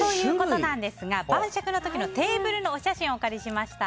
晩酌の時のテーブルのお写真をお借りしました。